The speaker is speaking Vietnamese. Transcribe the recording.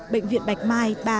bệnh viện bạch mai ba bé